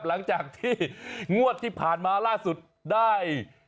หลังจากที่งวดที่ผ่านมาล่าสุดได้